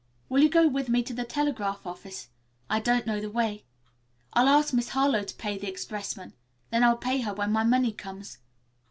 Will you go with me to the telegraph office. I don't know the way. I'll ask Miss Harlowe to pay the expressman. Then I'll pay her when my money comes.